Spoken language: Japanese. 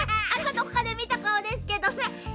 どこかでみたかおですけどね。